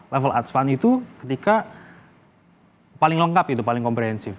level advance itu ketika paling lengkap itu paling komprehensif